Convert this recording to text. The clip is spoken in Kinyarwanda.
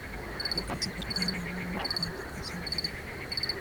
uyu akaba asanzwe azwi nk’umujyanama w’umuhanzikazi Marina